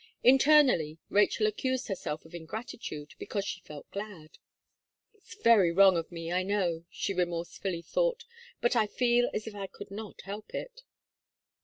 Internally, Rachel accused herself of ingratitude because she felt glad. "It's very wrong of me, I know," she remorsefully thought, "but I feel as if I could not help it."